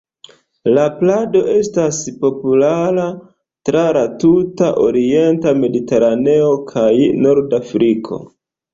La plado estas populara tra la tuta orienta Mediteraneo kaj Nordafriko.